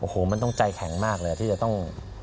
โอ้โหมันต้องใจแข็งมากเลยที่จะต้อง